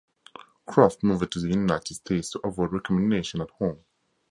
Croft moved to the United States to avoid recriminations at home.